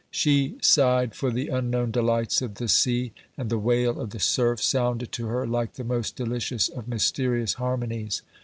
She sighed for the unknown delights of the sea, and the wail of the surf sounded to her like the most delicious of mysterious harmonies.